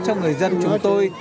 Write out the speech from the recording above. cho người dân chúng tôi